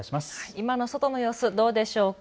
今の外の様子どうでしょうか。